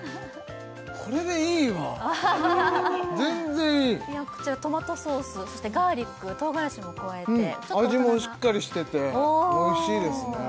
これでいいわ全然いいこちらトマトソースそしてガーリックとうがらしも加えてちょっと大人な味もしっかりしてておいしいですね